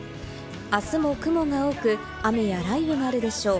あすも雲が多く雨や雷雨があるでしょう。